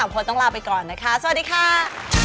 โพสต์ต้องลาไปก่อนนะคะสวัสดีค่ะ